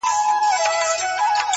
• دا څه ليونى دی بيـا يـې وويـل.